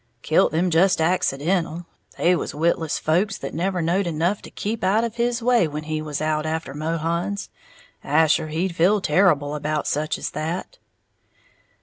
"Kilt them just accidental, they was witless folk that never knowed enough to keep out of his way when he was out after Mohuns. Asher he'd feel terrible about such as that."